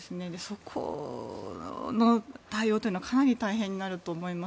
そこの対応というのはかなり大変になると思います。